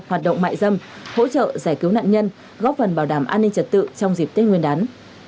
hoạt động mại dâm hỗ trợ giải cứu nạn nhân góp phần bảo đảm an ninh trật tự trong dịp tết nguyên đán